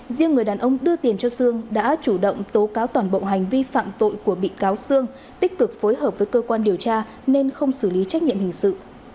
riêng người đàn ông đưa tiền cho sương đã chủ động tố cáo toàn bộ hành vi phạm tội của bị cáo sương tích cực phối hợp với cơ quan điều tra nên không xử lý trách nhiệm hình sự